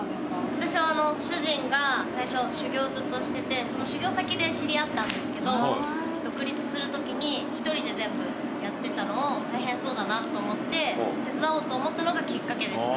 私は主人が最初修業をずっとしててその修業先で知り合ったんですけど独立するときに１人で全部やってたのを大変そうだなと思って手伝おうと思ったのがきっかけでした。